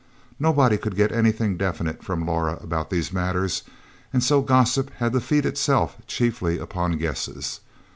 Nobody could get anything definite from Laura about these matters, and so gossip had to feed itself chiefly upon guesses.